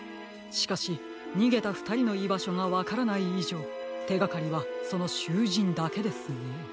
しかしにげたふたりのいばしょがわからないいじょうてがかりはそのしゅうじんだけですね。